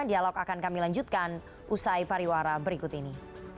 dialog akan kami lanjutkan usai pariwara berikut ini